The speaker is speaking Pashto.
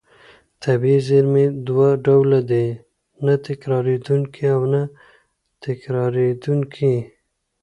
طبیعي زېرمې دوه ډوله دي: نه تکرارېدونکې او تکرارېدونکې.